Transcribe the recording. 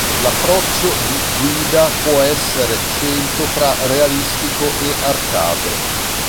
L'approccio di guida può essere scelto tra realistico e arcade.